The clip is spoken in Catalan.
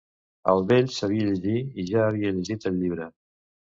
El vell sabia llegir i ja havia llegit el llibre.